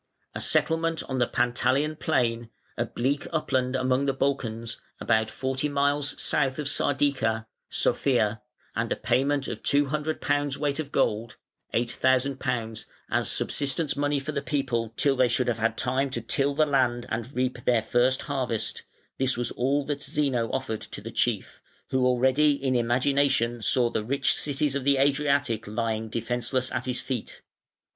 A settlement on the Pantalian plain, a bleak upland among the Balkans, about forty miles south of Sardica (Sofia), and a payment of two hundred pounds' weight of gold (£8,000) as subsistence money for the people till they should have had time to till the land and reap their first harvest, this was all that Zeno offered to the chief, who already in imagination saw the rich cities of the Adriatic lying defenceless at his feet.